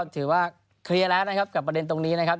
ถือว่าเคลียร์แล้วนะครับกับประเด็นตรงนี้นะครับ